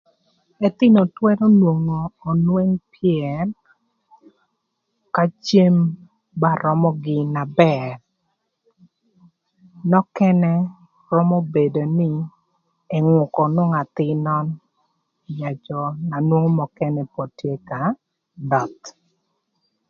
Ëthïnö twërö nwongo önweng pyër ka cem ba römögï na bër. Nökënë römö bedo nï ëngükö nwongo athïn nön yacö na nwongo ënë pod tye ka döth